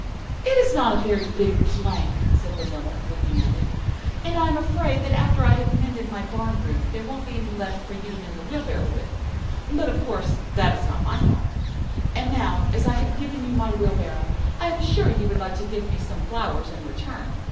"'It is not a very big plank,' said the Miller, looking at it, 'and I am afraid that after I have mended my barn roof there won't be any left for you to mend the wheelbarrow with; but, of course, that is not my fault. And now, as I have given you my wheelbarrow, I am sure you would like to give me some flowers in return.